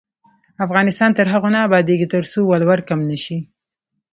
افغانستان تر هغو نه ابادیږي، ترڅو ولور کم نشي.